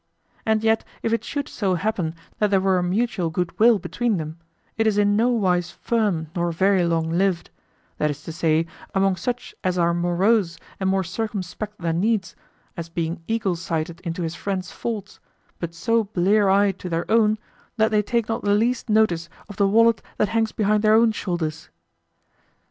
And yet if it should so happen that there were a mutual good will between them, it is in no wise firm nor very long lived; that is to say, among such as are morose and more circumspect than needs, as being eagle sighted into his friends' faults, but so blear eyed to their own that they take not the least notice of the wallet that hangs behind their own shoulders.